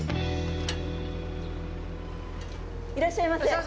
いらっしゃいませ！